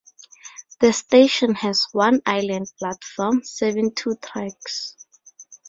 The station has one island platform serving two tracks.